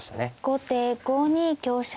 後手５二香車。